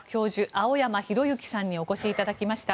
青山弘之さんにお越しいただきました。